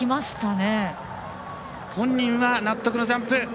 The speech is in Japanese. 本人は納得のジャンプ。